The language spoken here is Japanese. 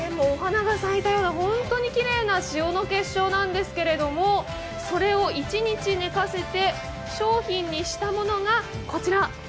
お花が咲いたような本当にきれいな塩の結晶なんですけどそれを一日寝かせて、商品にしたものがこちら。